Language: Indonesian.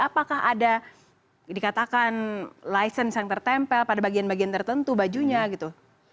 apakah ada dikatakan license yang tertempel pada bagian bagian tertentu bajunya gitu